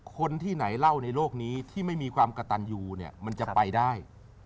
คนที่ไหนเล่าในโลกนี้ที่ไม่มีความกระตันยูเนี่ยมันจะไปได้